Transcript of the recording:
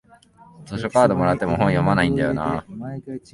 図書カードもらっても本読まないんだよなあ